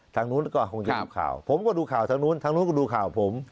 ทางนู้นก็คงจะดูข่าวผมก็ดูข่าวทางนู้นทางนู้นก็ดูข่าวผม